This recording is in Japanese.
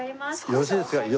よろしいですか？